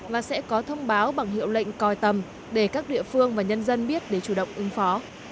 và sẽ có thông báo bằng hiệu lệnh coi tầm để các địa phương và nhân dân biết để chủ động ứng phó